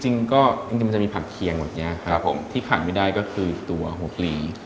จริงก็จริงมันจะมีผักเคียงแบบนี้ครับผมที่ขาดไม่ได้ก็คือตัวหัวกลี